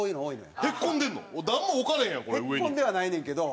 へっこんではないねんけど。